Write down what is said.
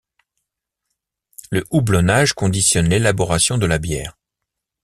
Le houblonnage conditionne l'élaboration de la bière.